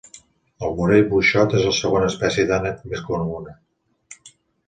El Morell buixot és la segona espècie d'ànec més comuna.